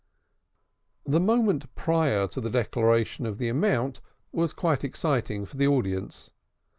The moment prior to the declaration of the amount was quite exciting for the audience.